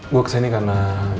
gue kesini karena